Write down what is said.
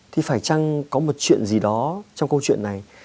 thì phải chăng có một chuyện gì đó trong câu chuyện này